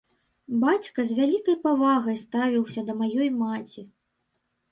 Бацька з вялікай павагай ставіўся да маёй маці.